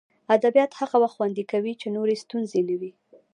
ادبیات هغه وخت خوند کوي چې نورې ستونزې نه وي